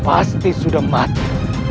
pasti sudah mati